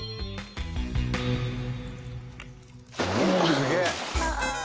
すげえ！